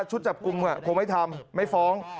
ชุดจับกุมคงไม่ทำไม่ฟ้อง